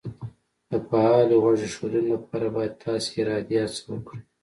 د فعالې غوږ ایښودنې لپاره باید تاسې ارادي هڅه وکړئ